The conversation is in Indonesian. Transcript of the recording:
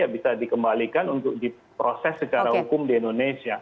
bisa dikembalikan untuk diproses secara hukum di indonesia